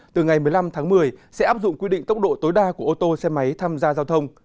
từ ngày một mươi năm tháng một mươi sẽ áp dụng quy định tốc độ tối đa của ô tô xe máy tham gia giao thông